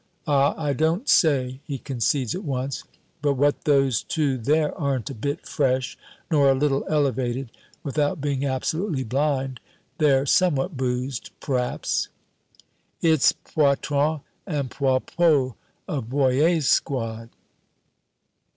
Ah, I don't say," he concedes at once, "but what those two there aren't a bit fresh, nor a little elevated; without being absolutely blind, they're somewhat boozed, pr'aps " "It's Poitron and Poilpot, of Broyer's squad."